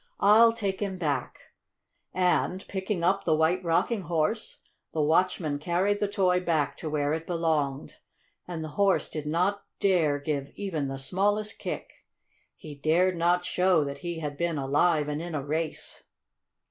I'll take him back," and, picking up the White Rocking Horse, the watchman carried the toy back to where it belonged. And the Horse did not dare give even the smallest kick. He dared not show that he had been alive and in a race.